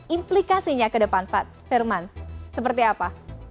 implikasinya ke depan pak firman seperti apa